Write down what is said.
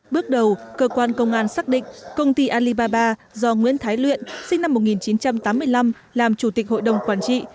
bước đầu cơ quan công an xác định công ty alibaba do nguyễn thái luyện sinh năm một nghìn chín trăm tám mươi năm làm chủ tịch hội đồng quản trị